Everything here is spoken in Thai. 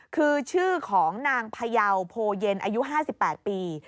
คือชื่อของนางพยาวโพเย็นอายุ๕๘ปี